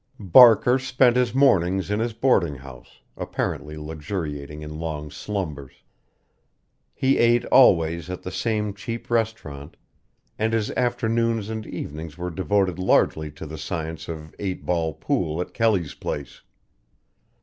Barker spent his mornings in his boarding house, apparently luxuriating in long slumbers; he ate always at the same cheap restaurant; and his afternoons and evenings were devoted largely to the science of eight ball pool at Kelly's place.